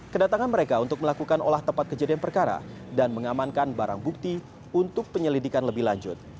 kedatangan mereka untuk melakukan olah tempat kejadian perkara dan mengamankan barang bukti untuk penyelidikan lebih lanjut